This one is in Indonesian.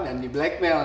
dan di blackmail